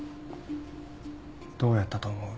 どうやったと思う？